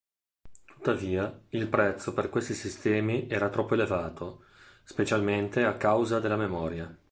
Tuttavia, il prezzo per questi sistemi era troppo elevato, specialmente a causa della memoria.